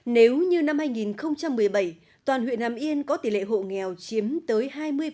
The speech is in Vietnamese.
nếu như năm hai nghìn một mươi bảy toàn huyện hàm yên có tỷ lệ hộ nghèo chiếm tới hai mươi bảy